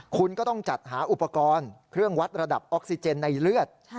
คุณก็ต้องจัดหาอุปกรณ์เครื่องวัดระดับออกซิเจนในเลือด